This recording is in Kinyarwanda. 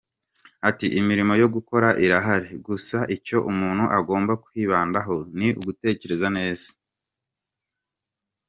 Ati “Imirimo yo gukora irahari, gusa icyo umuntu agomba kwibandaho ni ugutekereza neza.